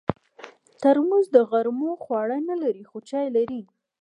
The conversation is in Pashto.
ترموز د غرمو خواړه نه لري، خو چای لري.